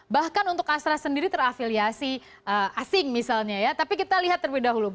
bahkan untuk astra sendiri terafiliasi asing misalnya ya tapi kita lihat terlebih dahulu